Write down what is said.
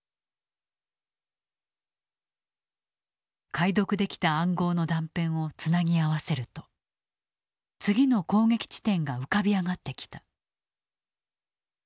解読できた暗号の断片をつなぎ合わせると次の攻撃地点が浮かび上がってきた。